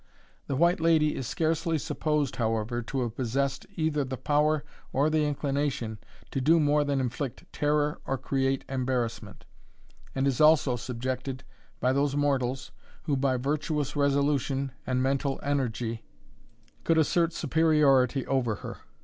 The White Lady is scarcely supposed, however, to have possessed either the power or the inclination to do more than inflict terror or create embarrassment, and is also subjected by those mortals, who, by virtuous resolution, and mental energy, could assert superiority over her.